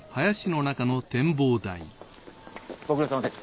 ご苦労さまです。